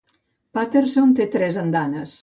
Patterson té tres andanes.